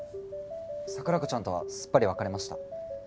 桜子ちゃんとはすっぱり別れました。